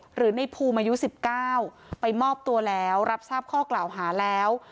หรือในภูมิอายุ๑๙ไปมอบตัวแล้วรับทราบข้อกล่าวหาแล้ว